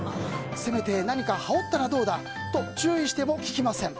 せめて何か羽織ったらどうだと注意しても聞きません。